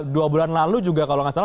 dua bulan lalu juga kalau nggak salah